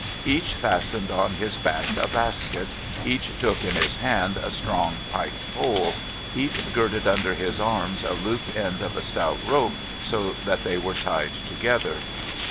Each fastened on his back a basket ; each took in his hand a strong spiked pole ; each girded under his arms a looped end of a stout rope, so that they were tied together.